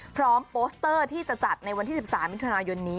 พร้อมโปสเตอร์ที่จะจัดในวัน๑๓มิถุนายนนี้